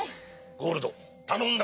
ゴールドたのんだぞ。